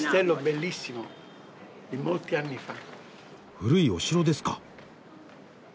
古いお城ですか。